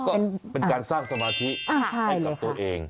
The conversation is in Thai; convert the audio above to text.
ก็เป็นการสร้างสมาธิให้กับตัวเอง